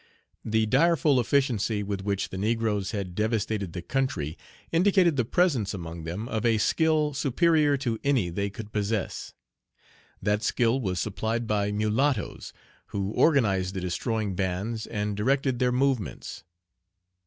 THE direful efficiency with which the negroes had devastated the country indicated the presence among them of a skill superior to any they could possess. That skill was supplied by mulattoes, who organized the destroying bands, and directed their movements.